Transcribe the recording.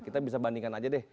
kita bisa bandingkan aja deh